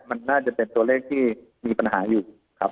มันน่าจะเป็นตัวเลขที่มีปัญหาอยู่ครับ